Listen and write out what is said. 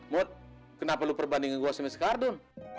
mut kenapa lu perbandingin gua sama si kardun